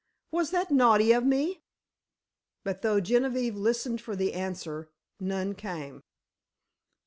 Was that naughty of me?" But though Genevieve listened for the answer, none came.